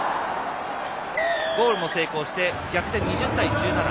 ゴールも成功して逆転、２０対１７。